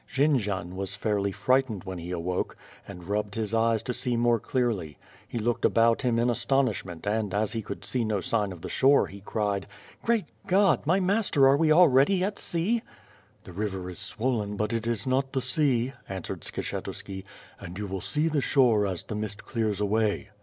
Jendzian was fairly frightened when he awoke, and rubbed his eyes to see more cleariy. lie looked about him in astonishment and, as he could see no sign of the shore, he cried: "Great CJod! my master, are we already at sea?" "The river is swollen but it is not the sea," answered Skshetuski, "and you will see the shore as the mist clears away."